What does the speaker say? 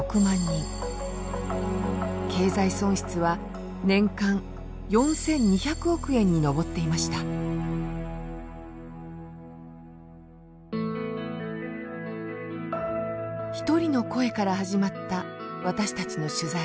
経済損失は年間４，２００億円に上っていました一人の声から始まった私たちの取材。